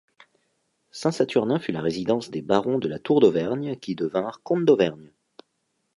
Saint-Saturnin fut la résidence des barons de la Tour d'Auvergne, qui devinrent comtes d'Auvergne.